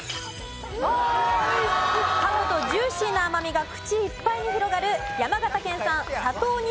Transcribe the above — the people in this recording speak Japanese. かむとジューシーな甘みが口いっぱいに広がる山形県産佐藤錦